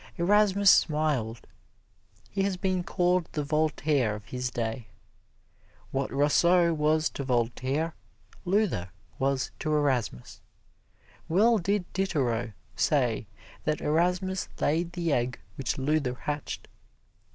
Erasmus smiled. He has been called the Voltaire of his day. What Rousseau was to Voltaire, Luther was to Erasmus. Well did Diderot say that Erasmus laid the egg which Luther hatched.